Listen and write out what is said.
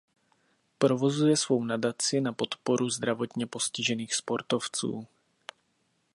Provozuje svou nadaci na podporu zdravotně postižených sportovců.